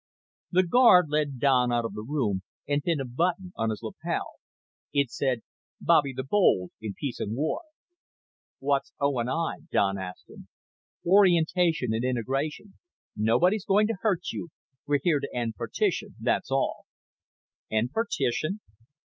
The guard led Don out of the room and pinned a button on his lapel. It said: Bobby the Bold in Peace and War. "What's O. & I.?" Don asked him. "Orientation and Integration. Nobody's going to hurt you. We're here to end partition, that's all." "End partition?"